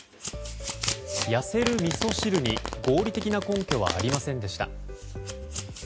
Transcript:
痩せるみそ汁に、合理的な根拠はありませんでした。